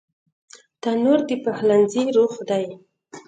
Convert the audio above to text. تنور د پخلنځي روح دی